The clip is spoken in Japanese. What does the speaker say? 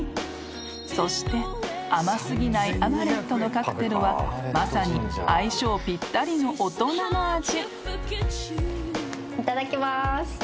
［そして甘過ぎないアマレットのカクテルはまさに相性ぴったりの大人の味］